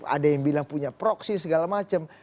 ada yang bilang punya proksi segala macam